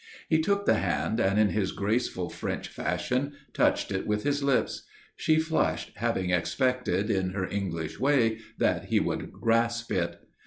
He took the hand and, in his graceful French fashion, touched it with his lips. She flushed, having expected, in her English way, that he would grasp it.